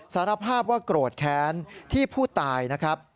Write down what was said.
สารภาพว่าโกรธแค้นที่ผู้ตายนะครับ